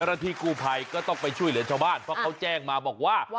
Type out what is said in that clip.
ที่กูภัยก็ต้องไปช่วยเหลือชาวบ้านเพราะเขาแจ้งมาบอกว่า